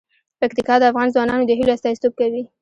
پکتیکا د افغان ځوانانو د هیلو استازیتوب کوي.